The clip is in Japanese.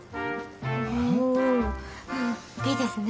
おいいですね！